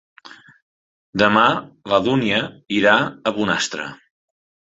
Demà na Dúnia irà a Bonastre.